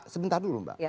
sebentar dulu mbak